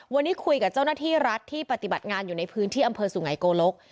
วันนี้คุยกับเจ้าหน้าที่รัฐที่ปฏิบัติงานอยู่ในพื้นที่อำเภอสุไงโกลก